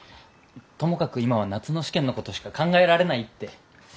ともかく今は夏の試験のことしか考えられないって。